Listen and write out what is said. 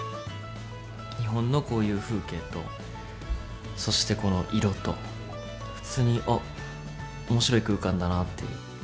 日本のこういう風景と、そしてこの色と、普通に、あっ、おもしろい空間だなって。